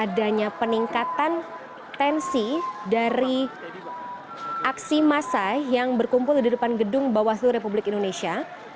di aksi masa yang berkumpul di depan gedung bawah seluruh republik indonesia